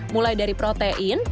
mulai dari protein